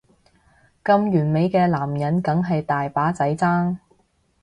咁完美嘅男人梗係大把仔爭